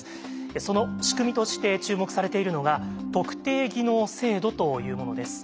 その仕組みとして注目されているのが特定技能制度というものです。